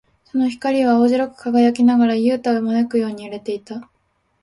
その光は青白く輝きながら、ユウタを招くように揺れていた。